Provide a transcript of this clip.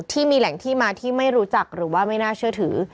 ที่มีแหล่งที่มาที่ไม่รู้จักหรือว่าไม่น่าเชื่อถือ